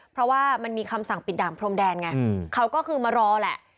เพราะว่ามันมีคำสั่งปิดด่านพรมแดนไงเขาก็คือมารอแหละ